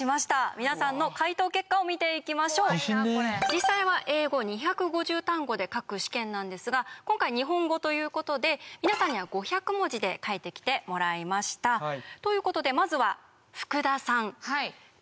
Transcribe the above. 実際は英語２５０単語で書く試験なんですが今回日本語ということで皆さんには５００文字で書いてきてもらいました。ということでまずは福田さん。